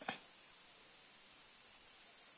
upaya hukum yang istilah teknisnya belum berkekuatan hukum tetap